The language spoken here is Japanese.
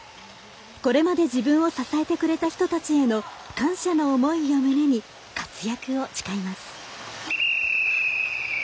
これまで自分を支えてくれた人たちへの感謝の思いを胸に活躍を誓います。